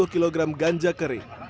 sepuluh kilogram ganja kering